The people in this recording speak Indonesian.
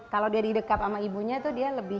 kalau dia di dekat sama ibunya itu dia lebih